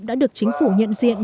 đã được chính phủ nhận diện